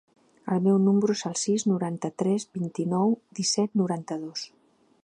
El meu número es el sis, noranta-tres, vint-i-nou, disset, noranta-dos.